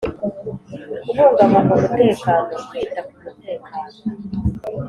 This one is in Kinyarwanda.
kubungabunga umutekano: kwita ku mutekano,